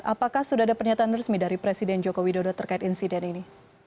apakah sudah ada pernyataan resmi dari presiden joko widodo terkait insiden ini